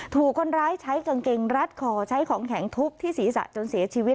ถูกคนร้ายใช้กางเกงรัดคอใช้ของแข็งทุบที่ศีรษะจนเสียชีวิต